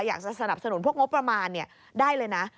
อยากจะสนับสนุนพวกงบประมาณได้เลยนะ